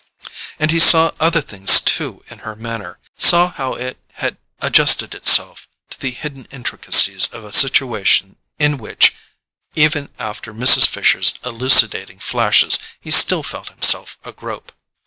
And he saw other things too in her manner: saw how it had adjusted itself to the hidden intricacies of a situation in which, even after Mrs. Fisher's elucidating flashes, he still felt himself agrope.